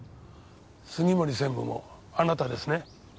杉森専務もあなたですね？